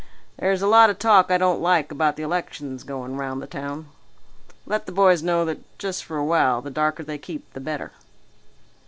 There's a lot of talk I don't like about the elections going round the town. Let the boys know that just for a while the darker they keep the better."